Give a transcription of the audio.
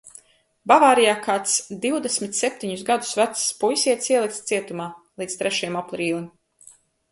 Bavārijā kāds divdesmit septiņus gadus vecs puisietis ielikts cietumā – līdz trešajam aprīlim.